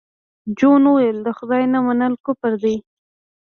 جون وویل د خدای نه منل کفر دی